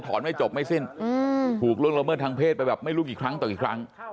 ไม่จบไม่สิ้นถูกล่วงละเมิดทางเพศไปแบบไม่รู้กี่ครั้งต่อกี่ครั้ง